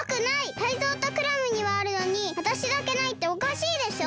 タイゾウとクラムにはあるのにわたしだけないっておかしいでしょ！？